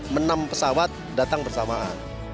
menang pesawat datang bersamaan